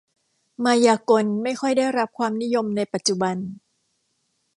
มายากล ไม่ค่อยได้รับความนิยมในปัจจุบัน